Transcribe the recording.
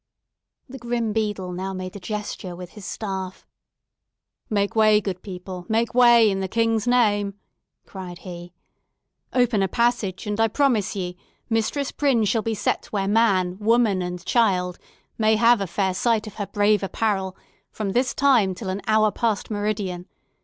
The grim beadle now made a gesture with his staff. "Make way, good people—make way, in the King's name!" cried he. "Open a passage; and I promise ye, Mistress Prynne shall be set where man, woman, and child may have a fair sight of her brave apparel from this time till an hour past meridian.